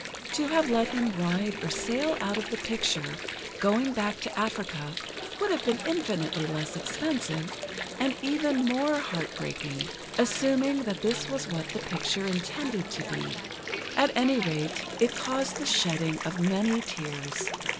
To have let him ride or sail out of the picture, going back to Africa, would have been infinitely less expensive, and even more heartbreaking, assuming that this was what the picture intended to be. At any rate, it caused the shedding of many tears.